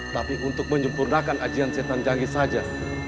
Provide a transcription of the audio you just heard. tapi untuk menyempurnakan ajian setan janggih saja